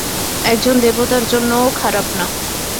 একজন দেবতার জন্যও খারাপ না।